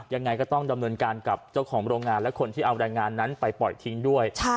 ยังไงก็ต้องดำเนินการกับเจ้าของโรงงานและคนที่เอาแรงงานนั้นไปปล่อยทิ้งด้วย